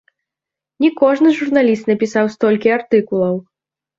Не кожны журналіст напісаў столькі артыкулаў!